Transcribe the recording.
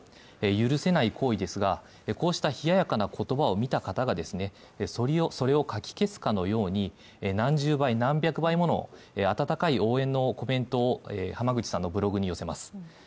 許せない行為ですが、こうした冷やかな言葉を見た方がそれをかき消すかのように何十倍、何百倍もの温かいコメントを浜口さんのブログに寄せます。